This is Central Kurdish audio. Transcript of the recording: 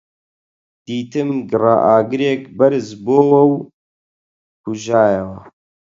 دیتم گڕەئاگرێک بەرز بۆوە و کوژایەوە